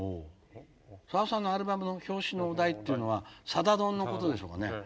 さださんのアルバムの表紙のお題っていうのは「さだ丼」のことでしょうかね。